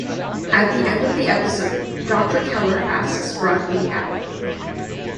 At the end of the episode, Doctor Keller asks Rodney out.